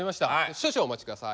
少々お待ち下さい。